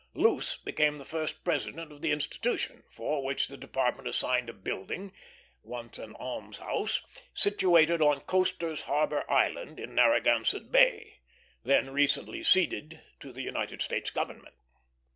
Luce became the first president of the institution, for which the Department assigned a building, once an almshouse, situated on Coaster's Harbor Island, in Narragansett Bay, then recently ceded to the United States government.